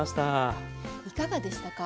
いかがでしたか？